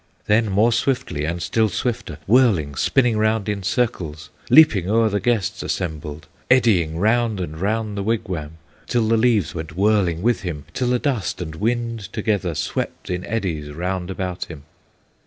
Then more swiftly and still swifter, Whirling, spinning round in circles, Leaping o'er the guests assembled, Eddying round and round the wigwam, Till the leaves went whirling with him, Till the dust and wind together Swept in eddies round about him.